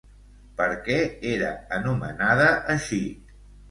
Per què era anomenada així?